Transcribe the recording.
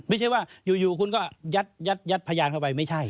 ไม่ใช่ว่าอยู่คุณก็ยัดพยานเข้าไปไม่ใช่